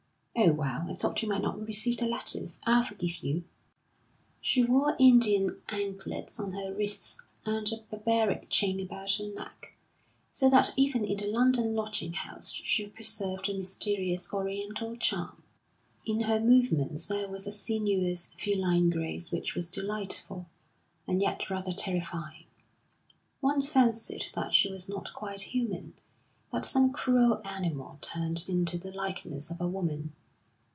"Oh, well, I thought you might not receive the letters. I'll forgive you." She wore Indian anklets on her wrists and a barbaric chain about her neck, so that even in the London lodging house she preserved a mysterious Oriental charm. In her movements there was a sinuous feline grace which was delightful, and yet rather terrifying. One fancied that she was not quite human, but some cruel animal turned into the likeness of a woman.